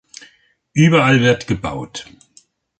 Überall wird gebaut.